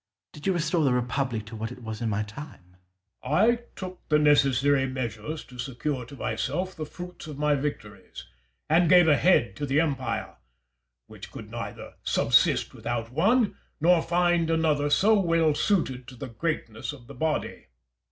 Did you restore the republic to what it was in my time? Caesar. I took the necessary measures to secure to myself the fruits of my victories, and gave a head to the empire, which could neither subsist without one nor find another so well suited to the greatness of the body.